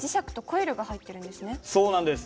そうなんです。